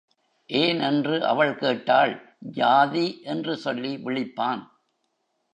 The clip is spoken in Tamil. ஏன் என்று அவள் கேட்டாள், ஜாதி என்று சொல்லி விழிப்பான்.